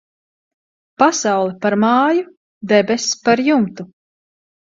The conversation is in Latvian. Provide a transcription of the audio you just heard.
Pasaule par māju, debess par jumtu.